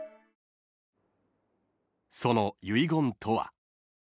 ［その遺言とは？］